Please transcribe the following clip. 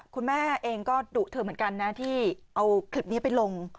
คุณแม่เองก็ดุเธอเหมือนกันนะที่เอาคลิปนี้ไปลง